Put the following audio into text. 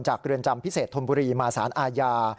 จากเรือนจำพิเศษธรรมบุรีมาศาลอาญา